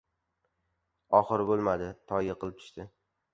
Oxiri bo‘lmadi — Toy yiqilib tushdi.